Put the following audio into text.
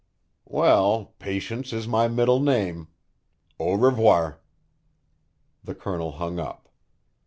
Well patience is my middle name. Au revoir." The Colonel hung up.